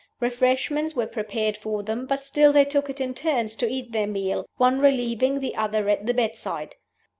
Refreshments were prepared for them; but still they took it in turns to eat their meal, one relieving the other at the bedside.